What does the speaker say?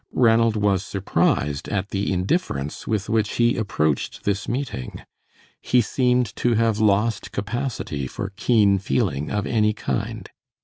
Ranald was surprised at the indifference with which he approached this meeting. He seemed to have lost capacity for keen feeling of any kind.